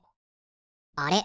あれ？